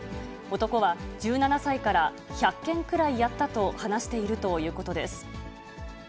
男は、１７歳から１００件くらいやったと話しているということです。